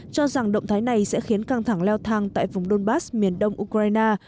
cho rằng động thái này sẽ khiến căng thẳng leo thang tại vùng đôn bắc miền đông ukraine